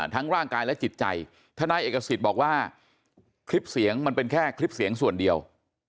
ร่างกายและจิตใจทนายเอกสิทธิ์บอกว่าคลิปเสียงมันเป็นแค่คลิปเสียงส่วนเดียว